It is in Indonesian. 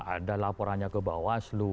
ada laporannya ke bawah